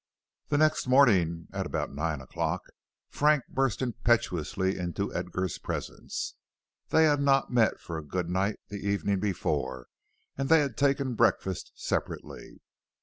The next morning at about nine o'clock Frank burst impetuously into Edgar's presence. They had not met for a good night the evening before and they had taken breakfast separately.